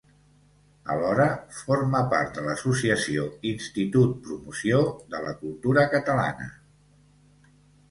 Alhora, forma part de l'Associació Institut Promoció de la Cultura Catalana.